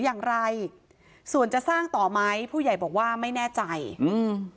อย่างไรส่วนจะสร้างต่อไหมผู้ใหญ่บอกว่าไม่แน่ใจอืม